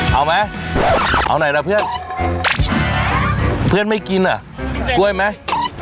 เอาไหมเอาไหนล่ะเพื่อนเพื่อนไม่กินอ่ะกล้วยไหม